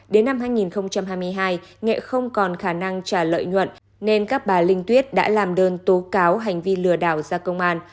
đến năm hai nghìn hai mươi hai nghệ không còn khả năng trả lợi nhuận nên các bà linh tuyết đã làm đơn